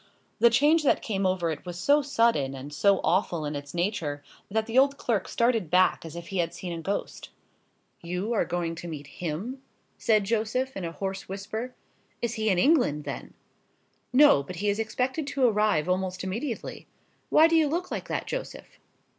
The change that came over it was so sudden and so awful in its nature, that the old clerk started back as if he had seen a ghost. "You are going to meet him?" said Joseph, in a hoarse whisper; "he is in England, then?" "No; but he is expected to arrive almost immediately. Why do you look like that, Joseph?"